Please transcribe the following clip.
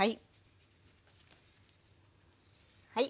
はい。